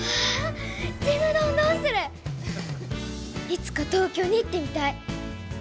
いつか東京に行ってみたい。